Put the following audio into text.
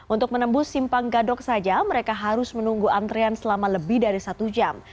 untuk menembus simpang gadok saja mereka harus menunggu antrian selama lebih dari satu jam